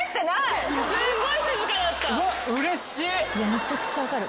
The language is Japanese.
めちゃくちゃ分かる。